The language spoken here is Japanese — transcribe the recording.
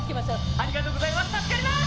ありがとうございます！